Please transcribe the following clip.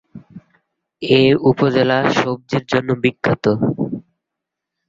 এ উপজেলা সবজির জন্য বিখ্যাত।